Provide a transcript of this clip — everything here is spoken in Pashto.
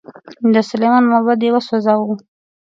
د سلیمان معبد یې وسوځاوه.